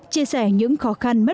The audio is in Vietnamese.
chia sẻ những khó khăn mất